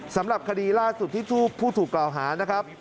สำหรับคดีล่าสุดที่ผู้ถูกกล่าวหานะครับ